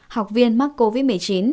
học viên mắc covid một mươi chín